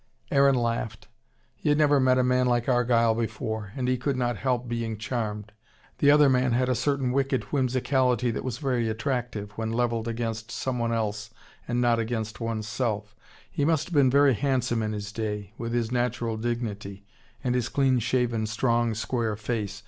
Aaron laughed. He had never met a man like Argyle before and he could not help being charmed. The other man had a certain wicked whimsicality that was very attractive, when levelled against someone else, and not against oneself. He must have been very handsome in his day, with his natural dignity, and his clean shaven strong square face.